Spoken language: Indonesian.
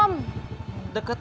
enggak udah deket om